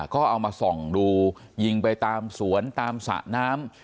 ก็เอามาส่องดูยิงไปตามสวนตามสระน้ำ